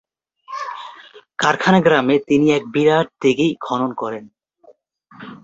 কারখানা গ্রামে তিনি এক বিরাট দীঘি খনন করেন।